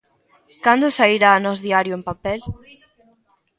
Cando sairá Nós Diario en papel?